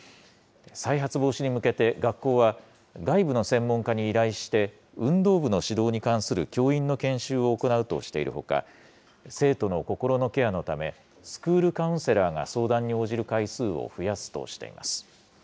再発防止に向けて、学校は、外部の専門家に依頼して、運動部の指導に関する教員の研修を行うとしているほか、生徒の心のケアのため、スクールカウンセラーが相談に応じる回数を増やすとしています。